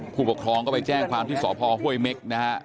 ผู้ปกครองก็ไปแจ้งความที่สพห้วยเม็กนะฮะ